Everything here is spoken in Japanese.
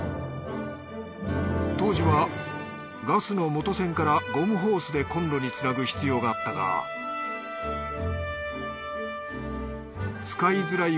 当時はガスの元栓からゴムホースでこんろに繋ぐ必要があったが使いづらいうえに